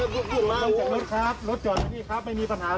ค่ะ